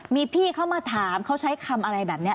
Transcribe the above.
มีพี่เขามาถามเขาใช้คำอะไรแบบนี้